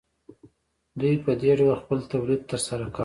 دوی په دې ډول خپل تولید ترسره کاوه